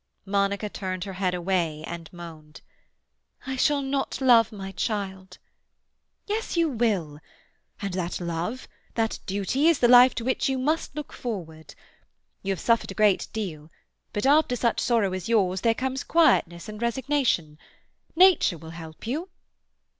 Monica turned her head away and moaned. "I shall not love my child." "Yes, you will. And that love, that duty, is the life to which you must look forward. You have suffered a great deal, but after such sorrow as yours there comes quietness and resignation. Nature will help you."